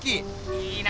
いいな。